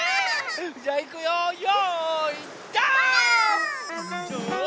じゃいくよよい。